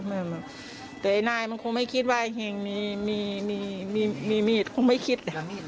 แล้วมีดนั้นเขาพลุกมาเองหรือว่าเป็นมีดในการประสาท